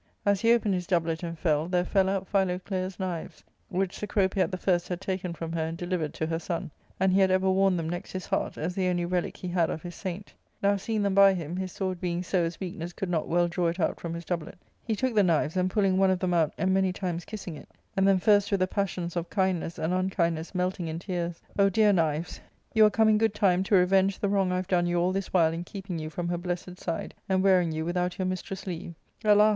As he opened his doublet and fell, there fell out Philoclea's knives, which Cecropia at the first had taken from her and delivered to her son, and he had ever worn them next his heart as the only relic he had of his saint ; now, seeing them by him, his sword being so as weakness could not well draw it out from his doublet, he took the knives, and pulling one of them out and many times kiss ing it, and then, first with the passions of kindness and un kindness melting in tears, " O dear knives, you are come in good time to revenge the wrong I have done you all this while in keeping you from her blessed side, and wearing you with out your mistress* leave. Alas